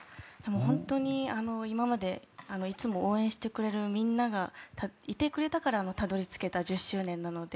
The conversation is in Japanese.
本当に今までいつも応援してくれるみんながいてくれたから、たどり着けた１０周年なので。